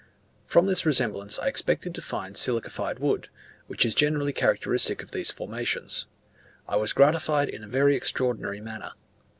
From this resemblance I expected to find silicified wood, which is generally characteristic of those formations. I was gratified in a very extraordinary manner.